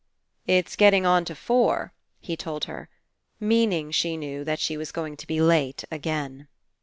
"It's getting on to four," he told her, meaning, she knew, that she was going to be late again.